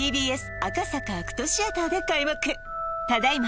ＴＢＳ赤坂ＡＣＴシアターで開幕ただ今